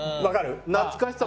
懐かしさも。